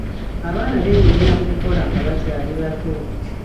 Abaana beenyigira mu kukola nga bakyali bato.